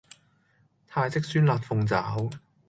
泰式酸辣鳳爪